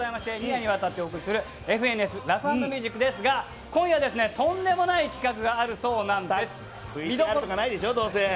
２夜にわたってお送りする「ＦＮＳラフ＆ミュージック」ですが今夜はとんでもない企画がＶＴＲとかないでしょ？